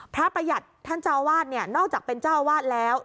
ประหยัดท่านเจ้าวาดเนี่ยนอกจากเป็นเจ้าอาวาสแล้ว